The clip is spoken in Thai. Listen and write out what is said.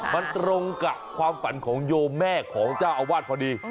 มันตรงกับความฝันของโยมแม่ของเจ้าอาวาสพอดี